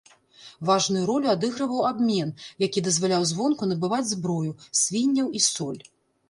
Важную ролю адыгрываў абмен, які дазваляў звонку набываць зброю, свінняў і соль.